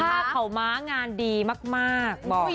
ภาพข่าวม้างานดีมากบอก